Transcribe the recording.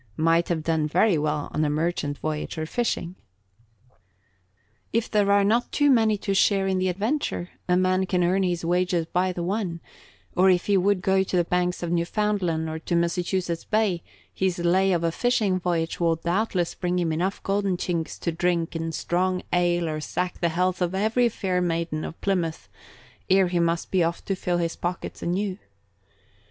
might have done very well on a merchant voyage or fishing. If there are not too many to share in the adventure, a man can earn his wages by the one; or if he would go to the banks of Newfoundland or to Massachusetts Bay, his lay of a fishing voyage will doubtless bring him enough golden chinks to drink in strong ale or sack the health of every fair maiden of Plymouth ere he must be off to fill his pockets anew.